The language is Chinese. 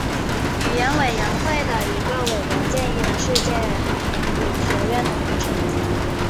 语言委员会的一个委员建议了世界语学院的名称。